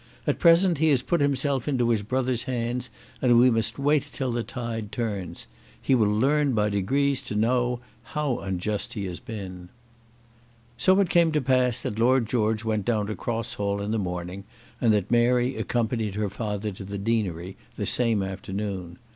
At present he has put himself into his brother's hands, and we must wait till the tide turns. He will learn by degrees to know how unjust he has been." So it came to pass that Lord George went down to Cross Hall in the morning and that Mary accompanied her father to the deanery the same afternoon.